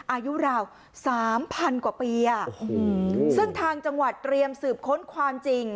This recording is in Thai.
อายุราว๓๐๐๐กว่าปีซึ่งทางจังหวัดเตรียมสืบค้นความจริง